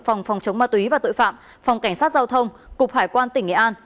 phòng phòng chống ma túy và tội phạm phòng cảnh sát giao thông cục hải quan tỉnh nghệ an